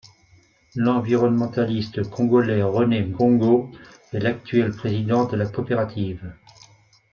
L'environnementaliste congolais René Ngongo est l'actuel président de la coopérative.